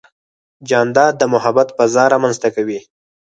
جانداد د محبت فضا رامنځته کوي.